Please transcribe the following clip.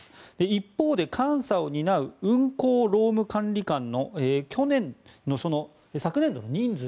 一方で監査を担う運航労務監理官の昨年度の人数